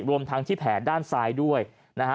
รวมทั้งที่แผลด้านซ้ายด้วยนะฮะ